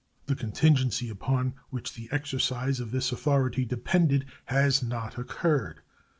The contingency upon which the exercise of this authority depended has not occurred.